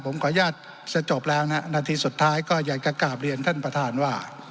ผมขออนุญาตจะจบแล้วนะฮะนาทีสุดท้ายก็อยากจะกลับเรียนท่านประธานว่า